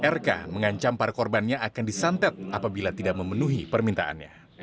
rk mengancam para korbannya akan disantet apabila tidak memenuhi permintaannya